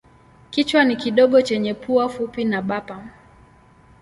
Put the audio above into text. Kichwa ni kidogo chenye pua fupi na bapa.